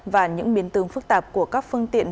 và những biến tướng phức tạp của các phương tiện